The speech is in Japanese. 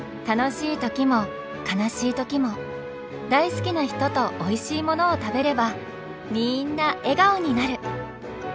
楽しい時も悲しい時も大好きな人とおいしいものを食べればみんな笑顔になる！